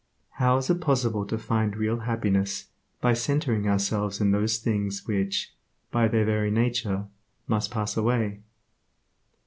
How is it possible to find real happiness by centering ourselves in those things which, by their very nature, must pass away?